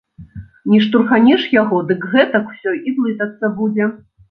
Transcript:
Не штурханеш яго, дык гэтак усё і блытацца будзе.